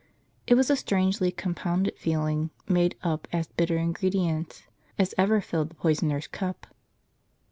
It was a strangely compounded feeling, made up of as bitter ingredients as ever filled the poisoner's cup.